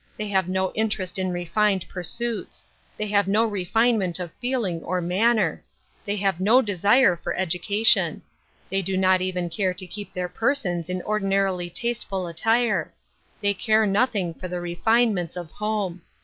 They have no interest in refined pursuits. They have no refinement of feeling or manner. They have no desire for education. They do not even care to keep their persons in ordinarily tasteful attire. They care nothing for the refinements of home.